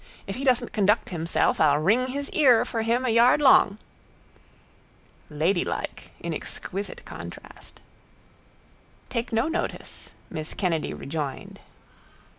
If he doesn't conduct himself I'll wring his ear for him a yard long. Ladylike in exquisite contrast. —Take no notice, miss Kennedy rejoined.